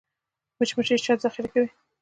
مچمچۍ شات ذخیره کوي